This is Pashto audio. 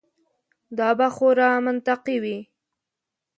دا به خورا منطقي وي.